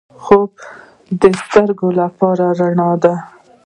خوب د سترګو لپاره رڼا ده